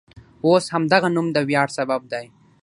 اوس همدغه نوم د ویاړ سبب دی.